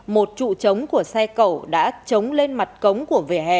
một trụ trống của xe cầu đã trống lên mặt cống của vỉa hè